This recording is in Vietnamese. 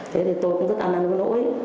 thế thì tôi cũng rất ăn ăn với nỗi